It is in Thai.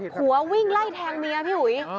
ผัววิ่งไล่แทงเมียพี่อุ๋ย